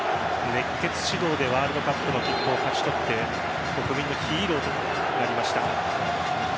熱血指導でワールドカップの切符を勝ち取って国民のヒーローとなりました。